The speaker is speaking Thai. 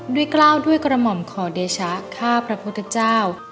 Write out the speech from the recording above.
กล้าวด้วยกระหม่อมขอเดชะข้าพระพุทธเจ้า